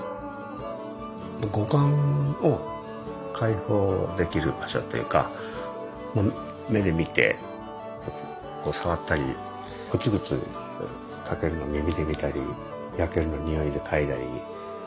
五感を解放できる場所というか目で見てこう触ったりグツグツ炊けるのを耳で見たり焼けるのを匂いで嗅いだり。